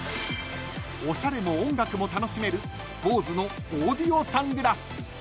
［おしゃれも音楽も楽しめるＢＯＳＥのオーディオサングラス］